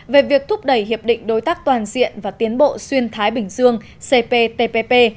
về việc thúc đẩy hiệp định đối tác toàn diện và tiến bộ xuyên thái bình dương cp tpp